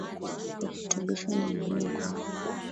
Virutubisho ni muhimu kwa Watoto